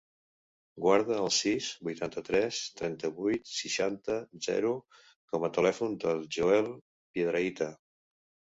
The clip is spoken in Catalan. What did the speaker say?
Guarda el sis, vuitanta-tres, trenta-vuit, seixanta, zero com a telèfon del Joel Piedrahita.